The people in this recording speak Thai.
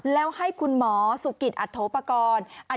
แล้วให้คุณหมอสุกิตอัตโธปกรณ์